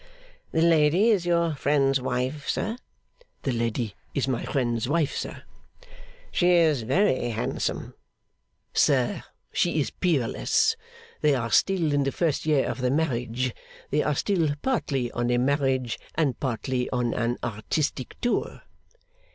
'The lady is your friend's wife, sir?' 'The lady is my friend's wife, sir.' 'She is very handsome.' 'Sir, she is peerless. They are still in the first year of their marriage. They are still partly on a marriage, and partly on an artistic, tour.